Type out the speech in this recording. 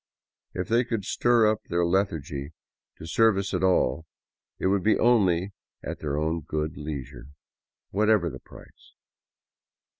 If they could stir up their lethargy to serve us at all, it would be only at their own good leisure, whatever the price.